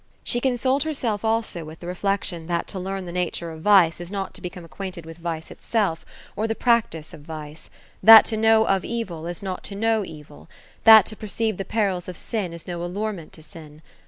She consoled herself, also, with the reflection that to learn the nature of vice is not to become acquainted with vice itself, or the prac tice of vice ; that to know of evil is not to know evil ; and that to per ceive the perils of sin, is no allurement to sin.